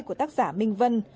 của tác giả minh vân